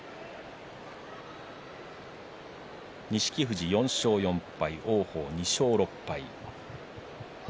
錦富士、４勝４敗王鵬が２勝６敗。